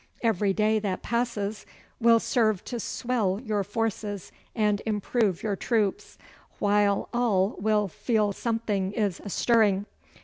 Every day that passes will serve to swell your forces and improve your troops, while all will feel something is astirring.